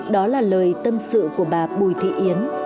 đó là lời tâm sự của bà bùi thị yến